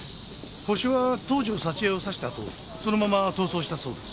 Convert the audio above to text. ホシは東条沙知絵を刺したあとそのまま逃走したそうです。